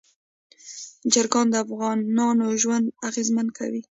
چرګان د افغانانو ژوند اغېزمن کوي.